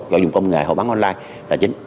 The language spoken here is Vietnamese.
và dùng công nghệ họ bán online